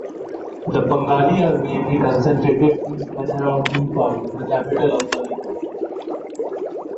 The Pangali are mainly concentrated in and around Imphal, the capital of Manipur.